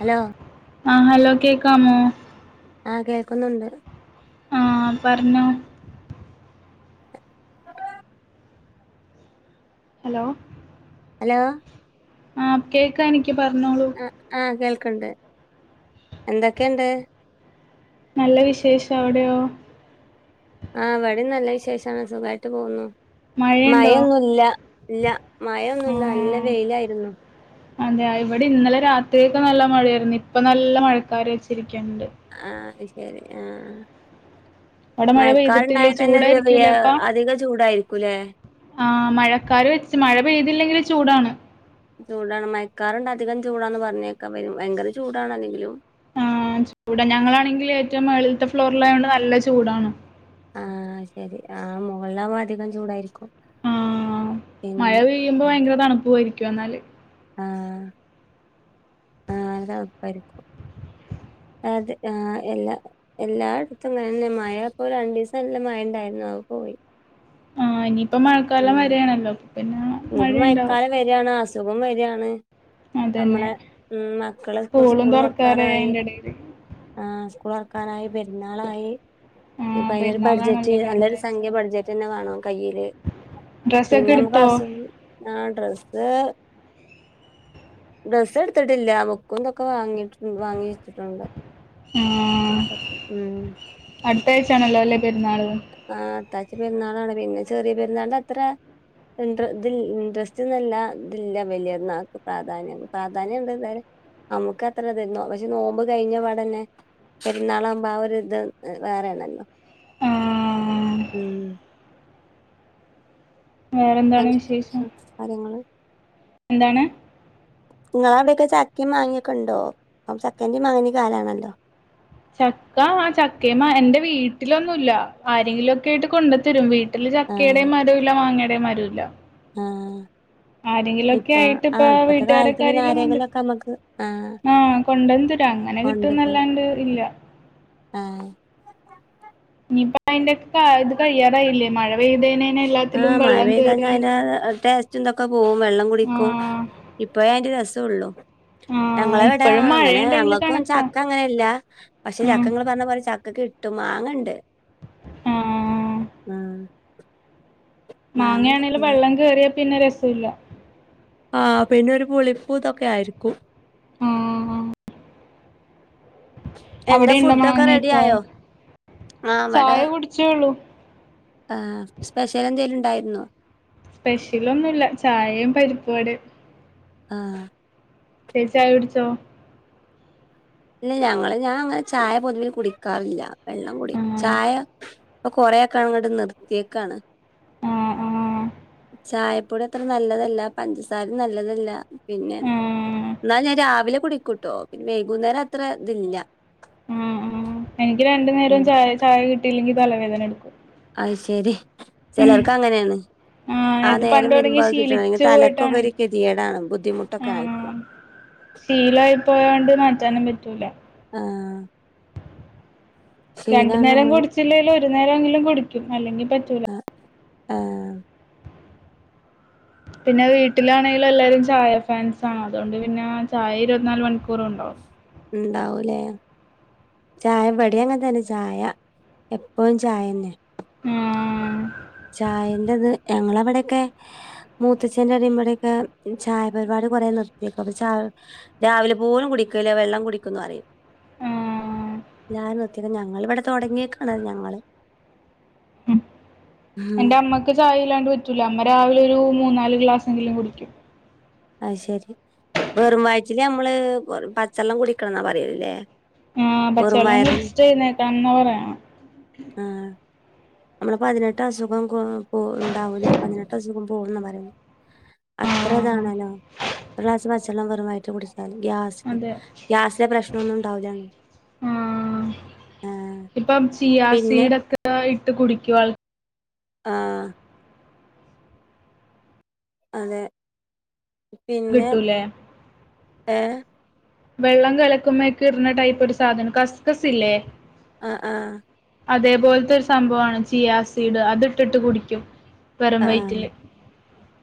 Hello ആഹ് hello കേക്കാമോ ആഹ് കേൾക്കുന്നുണ്ട് ആഹ് പറഞ്ഞോ ഹലോ ഹലോ ആഹ് കേക്കാ എനിക്ക് പറഞ്ഞോളൂ അഹ് ആഹ് കേൾക്ണ്ട് എന്തൊക്കെണ്ട് നല്ല വിശേഷം അവിടെയോ ആഹ് വടി നല്ല വിശേഷാണ് സുഖായിട്ട് പോകുന്നു മഴയുണ്ടോ മയൊന്നുല്ല ഇല്ല മയന്നുല്ല നല്ല വെയിലായിരുന്നു അതെയ ഇവിടെ ഇന്നലെ രാത്രിയൊക്കെ നല്ല മഴായിരുന്നു ഇപ്പൊ നല്ല മഴക്കാര് വെച്ചിരിക്കുന്നുണ്ട് ആഹ് അത് ശരി ആഹ് അവിടെ മഴ പെയ്തിട്ടില്ലേ മയക്കാര്ണ്ടായൽ തന്നെ ഒരു ചൂടായിരിക്കൂലേ [unintelligible] അധിക ചൂടായിരിക്കൂല്ലേ ആഹ് മഴക്കാര് വെച്ച് മഴ പെയ്തില്ലെങ്കിൽ ചൂടാണ് ചൂടാണ് മയക്കാറുണ്ട് അധികം ചൂടാന്ന് പറഞ്ഞേക്കാം ഭയങ്കര ചൂടാണ അല്ലെങ്കിലും ആഹ് ചൂടാ ഞങ്ങളാണെങ്കിൽ ഏറ്റവും മേളിൽത്ത ഫ്ലോറിലായോണ്ട് നല്ല ചൂടാണ് ആഹ് ശെരി ആഹ് മുകളിലാവ അധികം ചൂടായിരിക്കും ആഹ് മഴ പിന്നെ പെയ്യുമ്പോ ഭയങ്കര തണുപ്പു ആയിരിക്കും ന്നാല് ആഹ് ആഹ് സംസാരിക്കും അതെ ആഹ് എല്ലാ എല്ലായിടത്തും ഇങ്ങനെന്നെ മഴപ്പോ രണ്ടീസം അല്ല മഴ ണ്ടായിരുന്നു അഹ് പോയി ആഹ് ഇനിയിപ്പ മഴക്കാലം വരാണല്ലോ പിന്നെ ഇനിപ്പ മഴയുണ്ടാവും മയക്കാലം വരാണ് അസുഖം വരാണ് അതന്നെ നമ്മളെ ഉം മക്കളകെ സ്കൂളും സ്കൂൾ തുറക്കാറായി തൊർക്കാറായി അയിന്റെ എടേല് ആഹ് സ്കൂളൊർക്കാനായി പെരുന്നാളായി ആഹ് ഞ്ഞിപ്പൊ അയ്നൊരു ബഡ്ജറ്റ് പെരുന്നാളാണല്ലോല്ലേ നല്ലൊരു അടുത്താഴ്ച സംഖ്യ ബഡ്ജറ്റ്ന്നെ കാണണം കയ്യില് പിന്നെ നമുക്ക് ഡ്രസ്സക്കെടുത്തോ അസുഖം ആഹ് ഡ്രസ്സ് ഡ്രസ്സ് എടുത്തിട്ടില്ല ബുക്കും ഇതൊക്കെ വാങ്ങിണ്ട് വാങ്ങി വെച്ചിട്ടുണ്ട് മക്കക്ക് ഉം അടുത്ത ആഴ്ചയാണല്ലോ അല്ലേ പെരുന്നാളും ആഹ് അടുത്താ ആഴ്ച പെരുന്നാളാണ് പിന്നെ ചെറിയ പെരുന്നാളിന്റെ അത്ര ഇ ഇൻട്രസ്റ്റ്ന്നല്ല ഇല്ല വല്യർണ്ണാക്ക് പ്രാധാന്യം പ്രാധാന്യം ഉണ്ട് ഇതരെ നമുക്ക് അത്ര തരുന്നു പക്ഷെ നോമ്പ് കഴിഞ്ഞ പാടന്നെ പെരുന്നാളാവകുമ്പോ ആ ഒരു ഇത് വേറെ ആണല്ലോ ആഹ് ഉം വേറെന്താണ് വിശേഷം [unintelligible] കാര്യങ്ങൾ എന്താണ്. ങ്ങളവടെക്കെ ചക്കിം മാങ്ങിക്കെണ്ടോ പ്പൊ ചക്കന്റെം മാങ്ങന്റെം കാലാണല്ലോ. ചക്കാ.. ചക്കെമ്മാ എന്റെ വീട്ടിലൊന്നുല്ല ആരെങ്കിലെക്കയിട്ട് കൊണ്ടെത്തരും വീ ആഹ് ചക്കെയടെം മരുല്ല മാങ്ങയുടെം മരുല്ല. ആഹ് ഇപ്പ ആയിട്ട് ഇപ്പ ആഹ് പ്പത്തകാലത്ത്, വീട്ടുകാരൊക്കെ പിന്നെ ആരെങ്കിലും കൊണ്ടരും ആരെങ്കിലുക്കെ നമ്മക്ക് ആഹ്. ആഹ്, കൊണ്ടെന്ന് തരും അങ്ങനെ കൊണ്ടരും കിട്ടുന്നെല്ലാണ്ട് ഇല്ല. ആഹ് ഇനിപ്പയിനെരു ക്കായത് കഴിയാറായില്ലേ മഴ പെയ്തെയ്ന്. ആഹ് മഴ പെയ്താ ഞയിന്റെ ആ ടേസ്റ്റ ച്ച് ന്തൊക്കെ പോകും വെള്ളം കുടിക്കും ആഹ് ഇപ്പഴെ അയിന്റെ രസെള്ളു. ആഹ് ഞങ്ങളവടെ.. ഇപ്പഴും അങ്ങനെ മഴയുണ്ടെങ്കില് ഞങ്ങൾക്കും കണക്കാ ചക്ക അങ്ങനില്ല പക്ഷെ ഉം ചക്കങ്ങള്പറഞ്ഞ പോലെ ച കിട്ടും, മാങ്ങണ്ട് ആഹ് ആഹ്. മാങ്ങ മാങ്ങയാണെലും ഇതൊക്കെണ്ട് വെള്ളം കേറിയാ, പിന്നെ രസുല്ല. ആഹ് പിന്നെരു പുളിപ്പും തൊക്കെ ആയിരിക്കും. ഉം [inaudible] എന്താ അവിടെയുണ്ടോ ഫുഡെക്കെ റെഡിയാ മാങ്ങയൊക്കെ യോ, ആ വടെ. ചായ കുടിച്ചേള്ളൂ ആഹ്, സ്പെഷ്യലെന്തേലുണ്ടായിരുന്നോ. സ്പെഷ്യലെന്നുല്ല. ചായയും പരിപ്പ് വടെം. ആഹ്. നീ ചായുടിച്ചോ. ഞങ്ങള് ഞാ അങ്ങനെ ചായ പൊതുവെ കുടിക്കാറില്ല. വെള്ളം കുടി ആഹ് ചായ. പ്പൊ, കൊറെക്കെങ്ങണ്ട് നിർത്തീക്കാണ്. ആഹ് ആഹ്. ചായപ്പൊടി അത്ര നല്ലതെല്ല. പഞ്ചസാരിം നല്ലതെല്ല. പിന്നെ ആഹ് ന്നാ ഞാൻ രാവിലെ കുടിക്കൂട്ടോ പിന്നെ വൈകുന്നേരം അത്രതില്ല. ആഹ് ആഹ് എനിക്ക് രണ്ടു നേരം ചായ, ചായ, കിട്ടിയില്ലെങ്കിൽ തലവേദന എടുക്കും. അയാ ശെരി ചെലർക്ക് അങ്ങനെണ്. ആഹ് ആ ഇത് പണ്ട് നേരം വരുമ്പോ തൊടങ്ങി അത് കിട്ടെണം, ഇല്ലെങ്കി ശീലിച്ചു തലക്കൊക്കെ പോയിട്ടാണ് ഒര് കെതിയേടാണ്. ബുദ്ധിമുട്ടൊക്കെ ആയിരിക്കും. ആഹ് ശീലായി പോയേണ്ട് മാറ്റാനും പറ്റൂല. ആഹ് രണ്ടു ശീലാണ് നേരം നമ്മൾ കുടിച്ചില്ലേലും, ഒരു നേരങ്കിലും, കുടിക്കും. അല്ലെങ്കിൽ പറ്റൂല. ആഹ്. പിന്നെ വീട്ടിലാണെലും എല്ലാരും ചായ ഫാൻസാണ് അതേണ്ട് പിന്നാ.. ചായ ഇരുപത്തിനാല് മണിക്കൂറു ണ്ടാവും. ണ്ടാവുലേ.. ചായ ഇവടി അങ്ങെൻതെന്നെ ചായ എപ്പഴും ചായെന്നെ. ആഹ് ചായന്റത് ഞങ്ങളമ്പടെക്കെ. മൂത്തച്ചേന്റടിം മ്പടെക്കെ ചായ പരിപാടി കെറെ നിർത്തിക്ക്ണ് ചായ രാവിലപോലും കുടിക്കലില്ല വെള്ളം കുടിക്കുന്ന് പറിയും. ആഹ് ല്ലാരും നിത്തിക്ക്ണ് ഞങ്ങളിവടെ തുടങ്ങീക്കാണ് ഞങ്ങള്. ഉം എന്റമ്മക്ക് ചായ ഇല്ലാണ്ട് പറ്റൂല അമ്മ രാവിലെ ഒരു മൂന്നാല് ഗ്ലാസെങ്കിലും കുടിക്കും. അയ്ശെരി വെറുംവയറ്റില് നമ്മള് പച്ചെള്ളം കുടിക്കെണെന്നാ പറയല് ല്ലേ. ആഹ് വെറും പച്ചെവെള്ളം വയറിൽ കുടിച്ചിട്ട് എഴ്ന്നേക്കെണെന്നാ പറയാ. ആഹ്. നമ്മളെ പതിനെട്ടസുഖം കേ പോ ണ്ടാവൂല പതിനെട്ടസുകം പോകുന്നാ പറയാ. ആഹ് അത്രതാണല്ലോ ഒരു ഗ്ലാസ് പച്ചെള്ളം വെറുംവറ്റിൽ കുടിച്ചാല് ഗ്യാസ്. അതെ ഗ്യാസെ പ്രശ്നെന്നും ഉണ്ടാവൂലാന്ന്. ആഹ് ആഹ് ഇപ്പം ചിയാ പിന്നെ സീടൊക്കെ ഇട്ട് കുടിക്കും ആൾ ആഹ് അതെ പിന്നെ വിട്ടൂലേ ഏഹ് വെള്ളം കലക്കുമ്പ ഒക്കെ ഇരുന്ന ടൈപ്പ് ഒരു സാധനം കസ്കസ് ഇല്ലേ ആഹ് ആഹ് അതേപോലത്തെ ഒരു സംഭവമാണ് ജിയാസിഡ് അത്ട്ടിട്ട് കുടിക്കും വെറും ആഹ് വയറ്റില്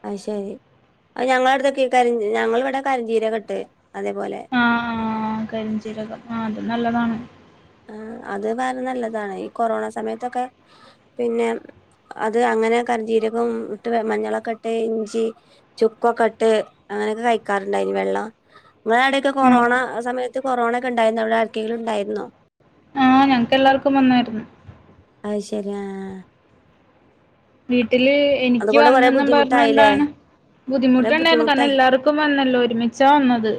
ആയ്ശരി അഹ് ഞങ്ങള അടുൊക്ക ക ഞങ്ങൾ ഇവിടെ കരിഞ്ചീരകെട്ട് അതേപോലെ ആഹ് ആഹ് കരിഞ്ചീരകം ആഹ് അത് നല്ലതാണ് ആഹ് അത് വേറെ നല്ലതാണ് ഈ കൊറോണ സമയത്തൊക്കെ പിന്നെ അത് അങ്ങനെ കരിജീരകം ഇട്ട് മഞ്ഞളൊക്കെ ഇട്ട് ഇഞ്ചി ചുക്കൊക്കെട്ട് അങ്ങനെയൊക്കെ കഴിക്കാറുണ്ടായിന് വെള്ളം നമ്മ അവിടെയൊക്കെ ആഹ് കൊറോണ സമയത്ത് കൊറോണ ഒക്കെ ഉണ്ടായിരുന്ന അവിടെ ആർക്കെങ്കിലും ഉണ്ടായിരുന്നോ ആഹ് ഞങ്ങക്ക് എല്ലാവർക്കും വന്നായിരുന്നു അത് ശരി ആഹ് വീട്ടില് എനിക്ക് അതുകൊണ്ട് കൊറെ വന്നന്നെന്നും പറഞ്ഞ ബുദ്ധിമുട്ടായില്ലേ കൊണ്ടാണ് കൊറെ ബുദ്ധിമുട്ടുണ്ടായിരുന്നു കാരണം ബുദ്ധിമുട്ടായി എല്ലർക്ക ക്ക വന്നല്ലോ ഒരുമിച്ചാ വന്നത്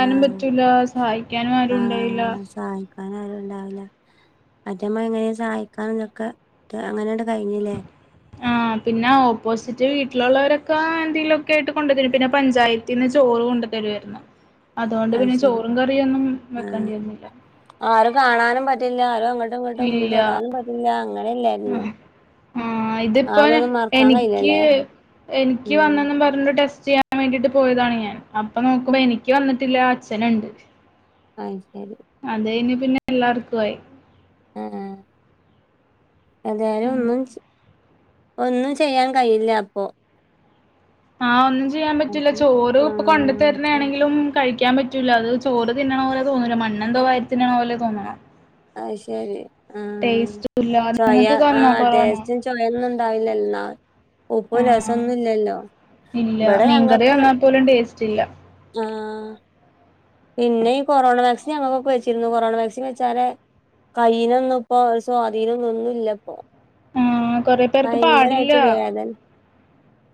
ആ പറ്റൂില്ല സഹായിക്കാനും ആരും ഉണ്ടായില്ല കനാലും ഉണ്ടാവില്ല അതമ്മ എങ്ങനെയാ സഹായിക്കാ എന്നൊക്കെ അങ്ങനെയണ്ട് കഴിഞ്ഞില്ലേ ആഹ് പിന്നെ ഓപ്പോസിറ്റ് വീട്ടിലുള്ളവരൊക്കെ എന്തെങ്കിലുമൊക്കെ ആയിട്ട് കൊണ്ടുവരെ പിന്നെ പഞ്ചായത്ത് പിന്നെ ചോറ് കൊണ്ടത്തരുമായിരുന്നു അതുകൊണ്ട് അത് പിന്നെ ശരി ചോറും കറിയും ഒന്നും ആ വെക്കേണ്ടിായിരുന്നില്ല ആരും കാണാനും പറ്റില്ല ആരും അങ്ങോട്ടും ഇങ്ങോട്ടും ഇല്ല തൊടാനും പറ്റില്ല അങ്ങനെ ഇല്ലായിരുന്നു ആഹ് ഇതിപ്പോ എനിക്ക് കഴിയില്ലല്ലേ എനിക്ക് ഉം വന്നന്നും പറഞ്ഞു ടെസ്റ്റ് ചെയ്യൻ ൻ വേണ്ടിട്ട് പോയതാണ് ഞാൻ അപ്പൊ നോക്കുമ്പോ എനിക്ക് വന്നിട്ടില്ല അച്ഛനുണ്ട് ആയ്ശരി അത് കഴിഞ്ഞ് പിന്നെ എല്ലാർക്കും ആയി ആഹ് അതായാലും ഉം. ഒന്നും ഒന്നും ചെയ്യാൻ കഴിയില്ല അപ്പൊ ആഹ് ഒന്നും ചെയ്യാൻ ആ പറ്റൂല്ല ചോറ് ഇപ്പൊ കൊണ്ടു തരുന്ന ചെ- ആണെങ്കിലും കഴിക്കാൻ പറ്റും പറ്റൂല അത് ചോറ് തിന്നണ പോലെോന്നൂ മണ്ണെന്തോ കയത്തി ന്നണ പോല തോണണം ആയ്ശരി ആഹ് ടേസ്റ്റുല്ല ചോയ നിങ്ങക്ക് വന്നോ ആഹ് കൊറോണ? ദടേസ്റ്റും ചൊയ ഒന്നും ഉണ്ടാവില്ല എന്നാ ഉപ്പും രസം ആഹ് ഒന്നും ഇല്ലല്ലോ ഇല്ല ഇവിടെ മീൻകറി വന്നാൽ പോലും ടേസ്റ്റ് ഇല്ല ആഹ് പിന്നെ ഈ കൊറോണ വാക്സിൻ ഞമ്മക്കൊപ്പ വച്ചിരുന്നു കൊറോണ വാക്സിൻ വെച്ചാല് കൈയിനൊന്നും ഇപ്പൊ സ്വാധീനംന്നും ഒന്നും ഇല്ലപ്പോ ആഹ് കൊറെ ആഹ് പേർക്ക് പാടില്ല ഭയങ്കരായിട്ട് വേദതൻ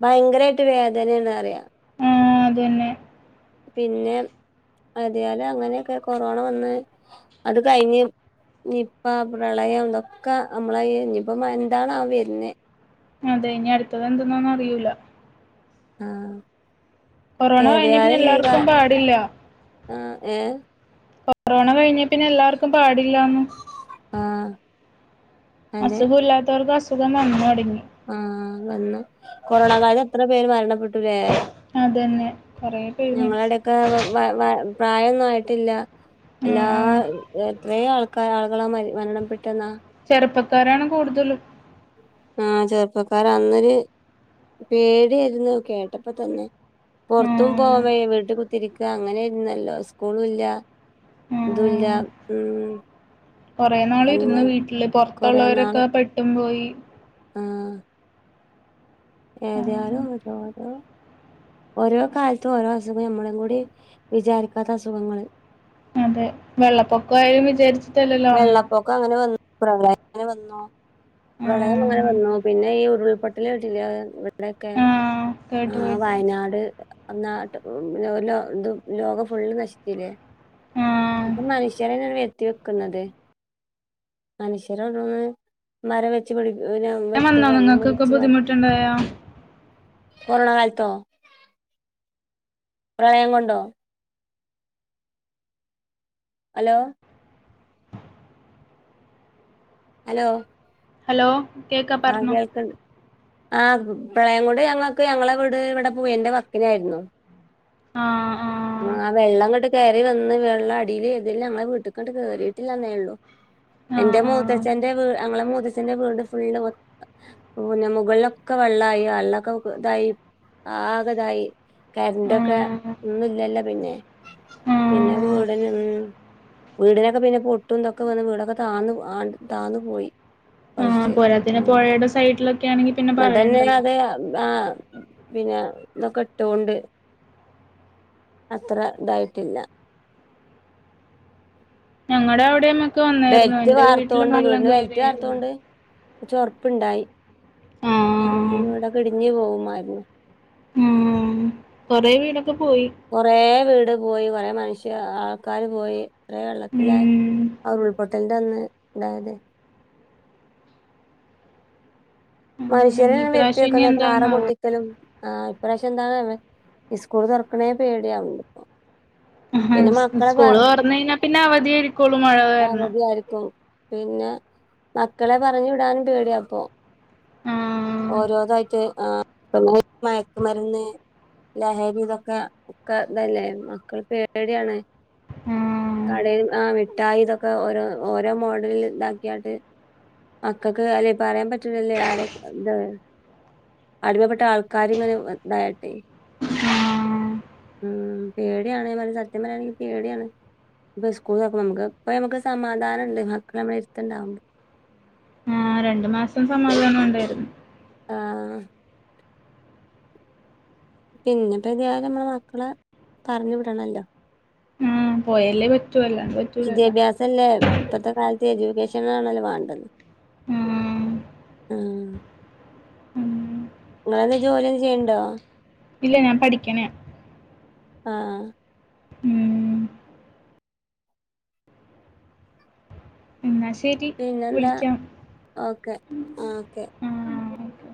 ഭയങ്കരായിട്ട് വേദനെണ് അറിയ ആഹ് അതന്നെ പിന്നെ അതാല അങ്ങനെയൊക്കെ കൊറോണ വന്ന് അത് കഴിഞ്ഞ് നിപ്പ പ്രളയം ഇതൊക്കെ നമ്മള ഇനിപ്പ എന്താണവ വരുന്നെ അതെ ഇനി അടുത്തത് എന്തന്നന്നും അറിയില്ല ആഹ് കൊറോണ കഴിഞ്ഞ പിന്നെ ഏതായാലും ഈ കാ എല്ലാർക്കും പാടില്ല ആഹ് ഏ കൊറോണ കഴിഞ്ഞ പിന്നെ എല്ലാർക്കും പാടില്ലന്ന് ആഹ് അതെ അസുഖം ഇല്ലാത്തവർക്ക് അസുഖം വന്നു തുടങ്ങി ആഹ് തന്നെ കൊറോണ കാലം എത്ര പേര് മരണപ്പെട്ടുലെ അതന്നെ കൊറേ പേര് മരിച്ച്. ഞങ്ങളടെ മ മ പ്രായൊന്നും ആയിട്ടില്ല എല്ലാ ആഹ് ആഹ് കുറെ ആളുകളാ മ മരണംപെട്ടെന്നാ. ചെറുപ്പക്കാരാണ് കൂടുതലും. ആഹ ചെറുപ്പകാര അന്നൊരു പേടിയായ്രുന്നു കേട്ടപ്പ തന്നെ. പൊർത്തും പോകാ ആഹ് വയ്യ വീട്ട് കുത്തിരിക്ക അങ്ങനെര്ന്നല്ലോ സ്കൂലല്ല ദുല്ലാ മ്.. കൊറെ നാള് ഇരുന്ന് വീട്ട്ല് കൊറെ നാള് പൊറത്തോള്ളോരൊക്കെ പെട്ടും പോയി ആഹ്.. ഏതിയാലു [unintelligible] ങ്ങൻത്താ ഓഡ്റ് ഓരോ കാലത്തും ഓരോ അസുഖം ഞമ്മളു കൂടി വിചാരിക്കാത്ത അസുഖങ്ങള്. അതെ വെള്ളപ്പൊക്ക ആയും വിചാര്ച്. വെള്ളപ്പൊക്ക അങ്ങനെ വന്നു പ്രളയം അങ്ങനെ വന്നു. പ്രളയം അങ്ങനെ ആഹ്. വന്നു പിന്നെ ഈ ഉരുൾപൊട്ടലേട്ടിലേ ആ ഇവിടെക്കെ ആഹ് ആ കേട്ടു കേട്ടു വയനാട് നാട്ട് ലോ ലോ ലോകം ഫുള്ള് നശിച്ചിലെ? ആഹ് കെ മനുഷ്യരെന്നെ വെര്ത്തി കുന്നത് അനുശര [unintelligible] മരം വെച്ച് പിടി ഞാൻ വന്നോ വെട്ടുക നിങ്ങൾക്കൊക്കെ മുറിച്ചു മാറ്റ [inaudible] കൊറോണ കാൽത്തോ പ്രളയം കൊണ്ടോ? ഹലോ.. ഹലോ.. ഹലോ.. കേക്കാ ആ പറഞ്ഞോ കേൾക്ണ്ട്. ആ പ്രളയം കൊണ്ട് ഞങ്ങക്ക് ഞങ്ങളെ വീട് ഇവിടെ പുയന്റെ വക്കിലായിരുന്നു. ആഹ് ആഹ് ആ വെള്ളം ങ്ങട്ട് കയറി വന്ന് വെള്ളം അടിയിൽ ഏതിലും ഞങ്ങളെ വീട്ട്ങ്ങട്ട് കേറിട്ടില്ലന്നേ ള്ളു. ആഹ് എന്റെ മൂത്തച്ഛന്റെ വീ ഞങ്ങളെ മൂത്തച്ഛന്റെ വീട് ഫുള്ള് ഓ ഞ മുകളിലൊക്കെ വെള്ളായി വെള്ളൊക്കെ ഇതായി ആകതായി ആഹ് കരണ്ടൊക്കെ ആഹ് ഒന്നുല്ലല്ലോ പിന്നെ. പിന്നെ ആഹ് വ്ടെന്നെ മ് വീടിനൊക്കെ പിന്നെ പൊട്ടുംതൊക്കെ വന്ന് വീടൊക്കെ താന്നു ആ താന്നു പോയി കൊറച്ച് പിന്നെ പൊഴയുടെ സൈഡിലൊക്കെ ആണെങ്കി പിന്നെ പറയണ്ടല്ലൊ അതാ പിന്നെ തൊക്കെ ഇട്ടോണ്ട് അത്ര ഇതായിട്ടില്ല. ഞങ്ങടെ അവിടേന്നും ബെൽറ്റ് വാർത്തോണ്ട് വീടിന് ബെൽറ്റ് കേറിയായിരുന്നു വാർത്തോണ്ട് ചൊറപ്പ്ണ്ടായ് ആഹ് അല്ലെങ്കിൽ വീടൊക്കെ ഇടിഞ്ഞു പോവുമായിരുന്നു. ഉം കൊറേ വീടൊക്കെ പോയി. കൊറെ വീട് പോയി കൊറെ മനുഷ്യ ആൾക്കാര് പോയി ഇത്ര വെള്ളത്തിലാ ഉം ആഹ് ഉരുൾപൊട്ടൽന്റെ അന്ന് ണ്ടായത്. അങ്ങനെ മനുഷ്യരാ ഇനി വെരുത്തി ഇപ്രാവശ്യം ഇനി വെക്ക്ന്നത് പാറ എന്താന്നാവോ പൊട്ടി- തലും ആഹ് ഇപ്രാശ്യം എന്താണ് ഇസ്കൂൾ തുറക്കണേ പേടിആവ് ണ്ട്പ്പൊ ആഹ് സ്കൂള് തൊറന്നഴിഞ്ഞാ പിന്നെ അവധിയായിരിക്കുള്ളൂ മഴ കാരണം. കാര്ക്കും പിന്നെ മക്കളെ പറഞ്ഞു വിടാനും പേടിയ പ്പൊ. ആഹ് ഓരോതായിട്ട് ആ പ്പൊമ മയക്ക്മര്ന്ന് ലഹരി തൊക്കെ ഒക്കെ തല്ലേ മക്കൾ പേടിആണ്. ആഹ് കടയിൽ ആഹ് മിട്ടായി ഇതൊക്കെ ഓരോ ഓരോ മോഡല് ഇതാക്കിഇട്ട് മക്കക്ക് അല്ലെ പറയാൻ പറ്റൂല്ലല്ലേ ആരൊ എന്താ അടിമപ്പെട്ട ആൾക്കാര് ഇങ്ങനെ ഇതായിട്ടെ ആഹ് ഉം പേടിയാണ് സത്യം പറയാണെങ്കിൽ പേടിയാണ് ഇപ്പ സ്കൂള് തൊറക്കുമ്പൊ നമുക്ക് ഇപ്പ നമുക്ക് സമാധാനണ്ട് മക്കൾ നമ്മളെ അടുത്തുണ്ടാവുമ്പൊ ആഹ്‌ രണ്ടു മാസം സമാദാനം ഉണ്ടായിരുന്നു ആഹ്‌ പിന്നെപ്പൊ ഏതായാലും നമ്മളെ മക്കളെ പറഞ്ഞു വിടണല്ലൊ ഉം പോയല്ലേ പറ്റൂ അല്ലാണ്ട് പറ്റൂലല്ലോ വിദ്യാഭ്യാസല്ലേ ഇപ്പത്തെ കാലത്ത് എജ്യൂക്കേഷൻ ആണല്ലോ വേണ്ടത് ആഹ് ആഹ് ഉം നിങ്ങെളെന്തേലും ജോലിയും ചെയ്യുണ്ടോ ഇല്ല ഞാൻ പഠിക്കണ് ആഹ്‌ ഉം എന്നാ ശെ [unintelligible] പിന്നെന്താ ഓക്കേ ഓക്കേ ആഹ് ഓക്കെ